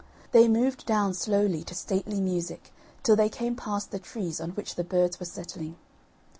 They moved down slowly to stately music till they came past the trees on which the birds were settling.